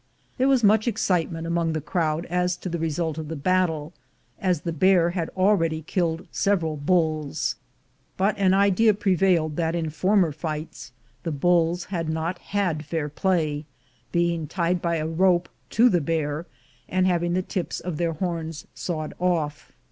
There was much excitement among the crowd as to the result of the battle, as the bear had already killed several bulls; but an idea prevailed that in former fights the bulls had not had fair play, being tied by a rope to the bear, and having the tips of their horns sawed off.